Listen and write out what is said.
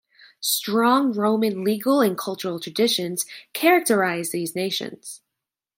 Strong Roman legal and cultural traditions characterize these nations.